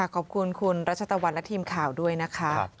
ขอบคุณคุณรัชตะวันและทีมข่าวด้วยนะคะ